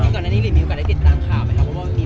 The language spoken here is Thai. เกินไปได้มีโอกาสได้ติดตามข่าวไหม